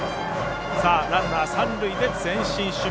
ランナー、三塁で前進守備。